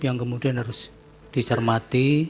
yang kemudian harus dicermati